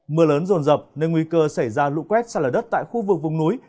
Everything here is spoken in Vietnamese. mưa lớn rồn rập nên nguy cơ xảy ra lũ quét xa lở đất tại khu vực vùng núi